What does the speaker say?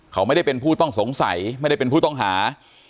เขาไม่ได้เป็นผู้ต้องสงสัยไม่ได้เป็นผู้ต้องหา